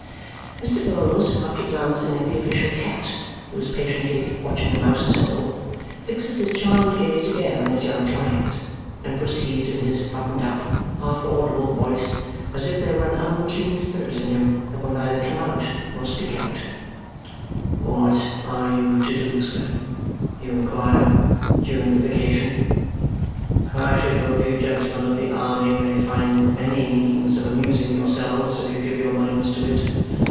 Mr. Vholes, after glancing at the official cat who is patiently watching a mouse's hole, fixes his charmed gaze again on his young client and proceeds in his buttoned up, half audible voice as if there were an unclean spirit in him that will neither come out nor speak out, "What are you to do, sir, you inquire, during the vacation. I should hope you gentlemen of the army may find many means of amusing yourselves if you give your minds to it.